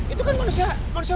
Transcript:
itu kan manusia manusia